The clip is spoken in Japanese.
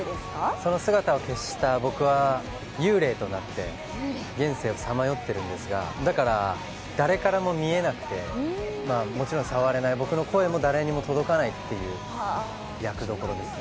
その姿を消した僕は幽霊となって現世をさまよっているんですがだから誰からも見えなくてもちろん触れない、僕の声も誰にも届かないという役どころです。